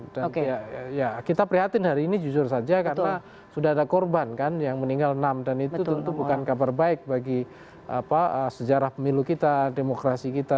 dan ya kita prihatin hari ini jujur saja karena sudah ada korban kan yang meninggal enam dan itu tentu bukan kabar baik bagi sejarah pemilu kita demokrasi kita